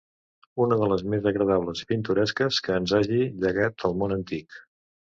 una de les més agradables i pintoresques que ens hagi llegat el món antic